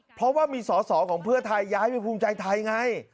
เพราะว่ามีสอสอของเพื่อไทยย้ายไปภูมิใจไทยไง